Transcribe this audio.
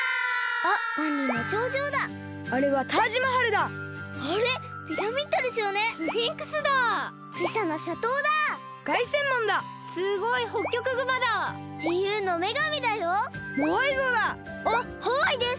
あっハワイです！